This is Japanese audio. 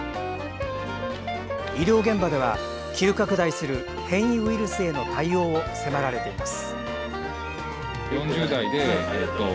医療現場では、急拡大する変異ウイルスへの対応を迫られています。